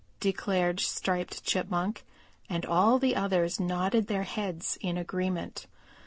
declared Striped Chipmunk, and all the others nodded their heads in agreement.